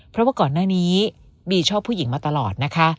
เพราะว่าก่อนหน้านี้บีชอบผู้หญิงมาตลอดนะคะ